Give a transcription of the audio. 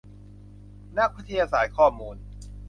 นักวิทยาศาสตร์ข้อมูล